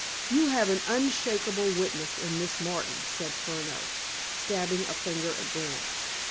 "You have an unshakable witness in Miss Martin," said Furneaux, stabbing a finger at Grant.